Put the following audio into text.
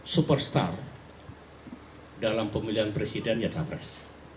superstar dalam pemilihan presiden ya capres